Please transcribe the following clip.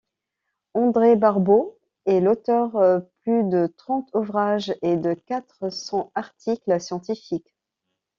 André Barbeau est l'auteur plus de trente ouvrages et de quatre cents articles scientifiques.